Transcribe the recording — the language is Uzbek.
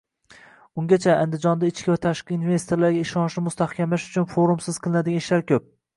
Ungacha Andijonda ichki va xorijiy investorlarga ishonchni mustahkamlash uchun forumsiz qilinadigan ishlar ko'p